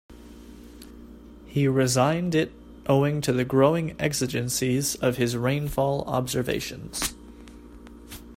He resigned it owing to the growing exigencies of his rainfall observations.